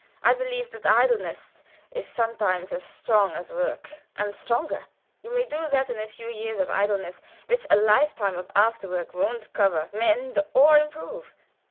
I believe that idleness is sometimes as strong as work, and stronger. You may do that in a few years of idleness which a life time of afterwork won't cover, mend, or improve.